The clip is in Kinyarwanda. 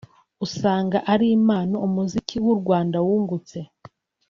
usanga ari impano umuziki w'u Rwanda wungutse